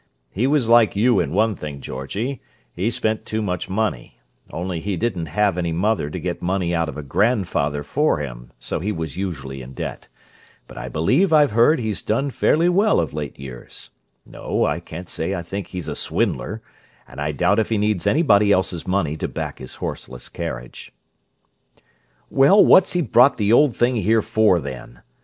"He was like you in one thing, Georgie; he spent too much money—only he didn't have any mother to get money out of a grandfather for him, so he was usually in debt. But I believe I've heard he's done fairly well of late years. No, I can't say I think he's a swindler, and I doubt if he needs anybody else's money to back his horseless carriage." "Well, what's he brought the old thing here for, then?